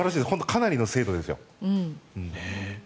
かなりの精度ですよ。